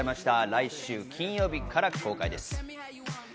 来週金曜日から公開です。